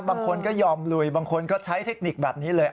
บางคนก็ยอมลุยบางคนก็ใช้เทคนิคแบบนี้เลย